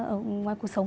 ở ngoài cuộc sống